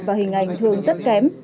và hình ảnh thường rất kém